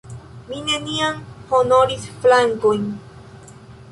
Mi neniam honoris flankojn.